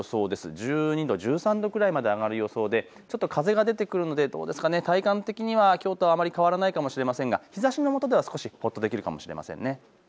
１２度、１３度くらいまで上がる予想でちょっと風が出てくるので体感的にはきょうとあまり変わらないかもしれませんが日ざしのもとでは少しほっとできるかもしれませんね。